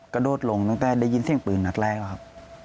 กระโดดลงตั้งแต่ได้ยินเสียงปืนนัดแรกแล้วครับ